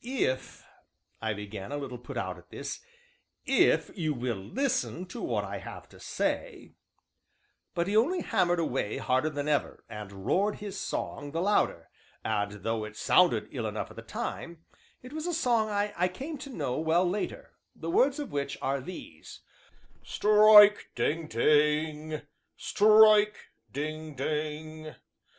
"If," I began, a little put out at this, "if you will listen to what I have to say" But he only hammered away harder than ever, and roared his song the louder; and, though it sounded ill enough at the time, it was a song I came to know well later, the words of which are these: "Strike! ding! ding! Strike! ding! ding!